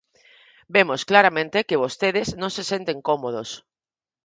Vemos claramente que vostedes non se senten cómodos.